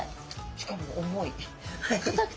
しかも重い。